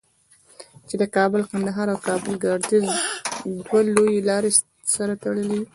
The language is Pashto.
چې د کابل قندهار او کابل گردیز دوه لویې لارې سره تړي.